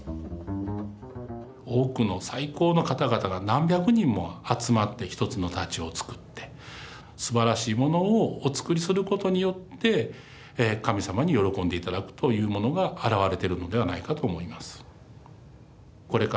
多くの最高の方々が何百人も集まって一つの太刀を作ってすばらしいものをお作りすることによって神様に喜んで頂くというものが表れてるのではないかと思います。